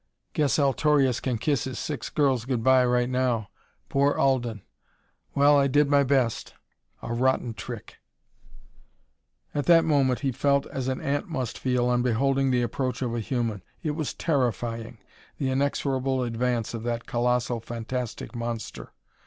Guess Altorius can kiss his six girls good by right now. Poor Alden! Well, I did my best a rotten trick." At that moment he felt as an ant must feel on beholding the approach of a human. It was terrifying, the inexorable advance of that colossal, fantastic monster.